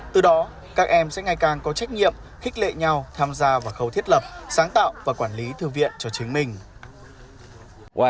từ đó các em sẽ ngày càng có trách nhiệm khích lệ nhau tham gia vào khâu thiết lập sáng tạo và quản lý thư viện cho chính mình